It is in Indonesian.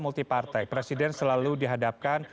multipartai presiden selalu dihadapkan